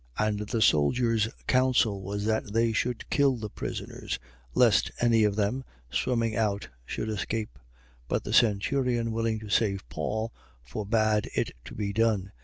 27:42. And the soldiers' counsel was that they should kill the prisoners, lest any of them, swimming out should escape. 27:43. But the centurion, willing to save Paul, forbade it to be done.